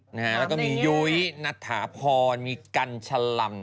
เหนื่อยนัทหาภรรย์มีกันชรรรม